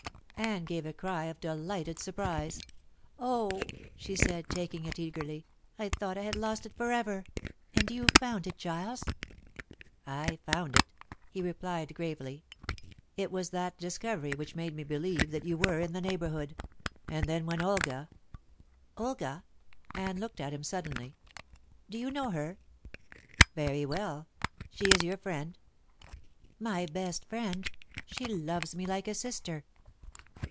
Anne gave a cry of delighted surprise. "Oh," she said, taking it eagerly, "I thought I had lost it forever. And you found it, Giles?" "I found it," he replied gravely. "It was that discovery which made me believe that you were in the neighborhood. And then when Olga " "Olga." Anne looked at him suddenly. "Do you know her?" "Very well. She is your friend." "My best friend. She loves me like a sister."